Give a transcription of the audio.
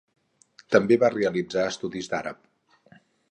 També va realitzar estudis d'àrab.